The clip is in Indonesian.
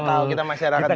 kita enggak tahu